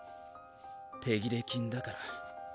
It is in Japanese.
手切れ金だから。